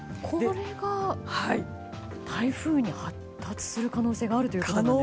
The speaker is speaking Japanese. これが台風に発達する可能性があるということですか？